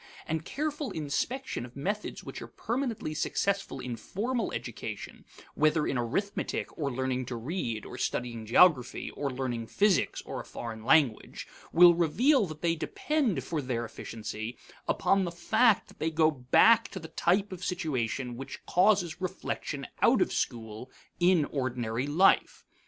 And careful inspection of methods which are permanently successful in formal education, whether in arithmetic or learning to read, or studying geography, or learning physics or a foreign language, will reveal that they depend for their efficiency upon the fact that they go back to the type of the situation which causes reflection out of school in ordinary life.